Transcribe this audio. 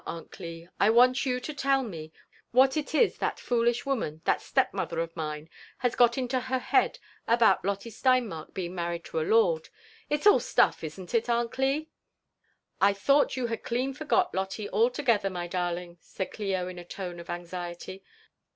Aunt Oli, I want you to tell me what it is that foolish woman, that stepmother of mine, has got into her head about Lotte Steinmark being married to a lord. It's all stuff, isn't it, Aunt Cli t" I thought you had clean forgot Lotte altogether, my darling," said Clio in a tone of anxiety.